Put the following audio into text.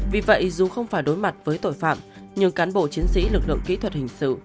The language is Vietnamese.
vì vậy dù không phải đối mặt với tội phạm nhưng cán bộ chiến sĩ lực lượng kỹ thuật hình sự